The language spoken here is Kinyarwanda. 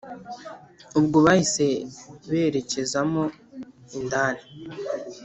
ubwo bahise berekezamo indani